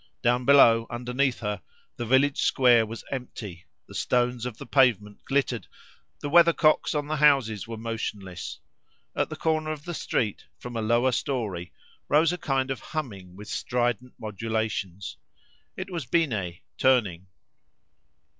Down below, underneath her, the village square was empty; the stones of the pavement glittered, the weathercocks on the houses were motionless. At the corner of the street, from a lower storey, rose a kind of humming with strident modulations. It was Binet turning.